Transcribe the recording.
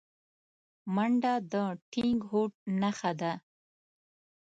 منډه د ټینګ هوډ نښه ده